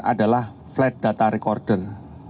adalah flat data recorder